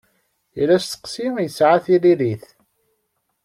Yal asteqsi yesɛa tiririt.